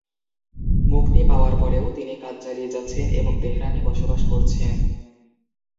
মুক্তি পাওয়ার পরেও তিনি কাজ চালিয়ে যাচ্ছেন এবং তেহরানে বসবাস করছেন।